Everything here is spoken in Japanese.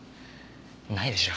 ないでしょ。